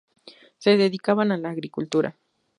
Se dedicaban a la agricultura.